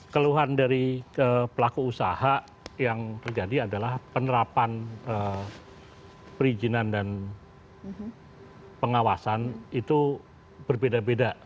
keluhan dari pelaku usaha yang terjadi adalah penerapan perizinan dan pengawasan itu berbeda beda